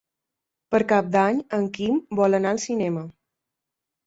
Per Cap d'Any en Quim vol anar al cinema.